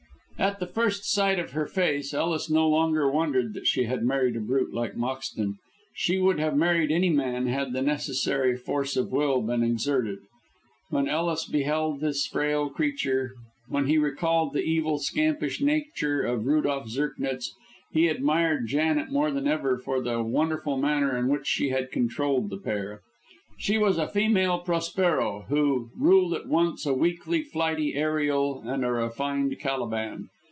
At the first sight of her face Ellis no longer wondered that she had married a brute like Moxton. She would have married any man had the necessary force of will been exerted. When Ellis beheld this frail creature, when he recalled the evil, scampish nature of Rudolph Zirknitz, he admired Janet more than ever for the wonderful manner in which she had controlled the pair. She was a female Prospero, who ruled at once a weakly, flighty Ariel and a refined Caliban.